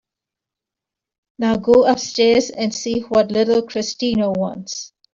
Now go upstairs and see what little Christina wants.